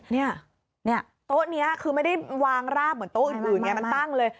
เนี่ยโต๊ะนี้คือไม่ได้วางราบเหมือนโต๊ะอื่นไงมันตั้งเลย